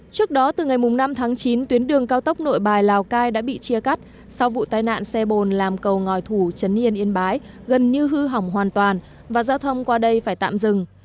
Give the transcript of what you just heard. trước đó từ ngày năm tháng chín tuyến đường cao tốc nội bài lào cai đã bị chia cắt sau vụ tai nạn xe bồn làm cầu ngòi thủ trấn yên yên bái gần như hư hỏng hoàn toàn và giao thông qua đây phải tạm dừng